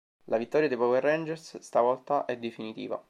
La vittoria dei Power Rangers, stavolta, è definitiva.